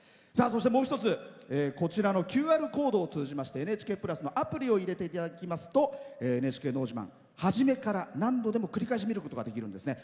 もう一つＱＲコードを通じまして「ＮＨＫプラス」のアプリを入れていただきますと「ＮＨＫのど自慢」初めから何度でも繰り返し見ることができるんですね。